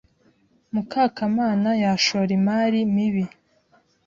Mukakamana yashora imari mibi.